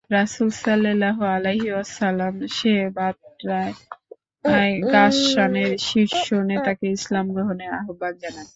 রাসূল সাল্লাল্লাহু আলাইহি ওয়াসাল্লাম সে বার্তায় গাসসানের শীর্ষ নেতাকে ইসলাম গ্রহণের আহবান জানান।